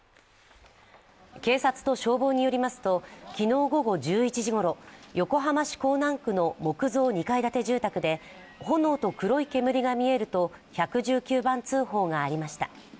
警察と消防によりますと昨日午後１１時ごろ、横浜市港南区の木造２階建て住宅で炎と黒い煙が見えると１１９番通報がありました。